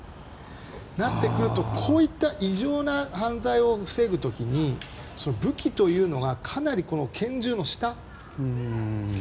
そうなってくるとこういった異常な犯罪を防ぐ時に武器というのがかなり拳銃の下の。